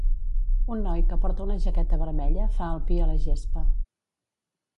Un noi que porta una jaqueta vermella fa el pi a la gespa.